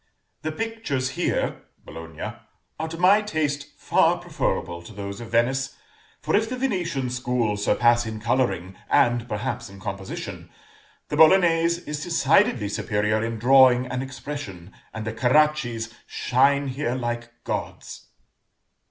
"The pictures here (Bologna) are to my taste far preferable to those of Venice, for if the Venetian school surpass in coloring, and, perhaps, in composition, the Bolognese is decidedly superior in drawing and expression, and the Caraccis shine here like Gods."